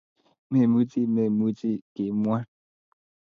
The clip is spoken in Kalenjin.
Memuchi memuch kimwa.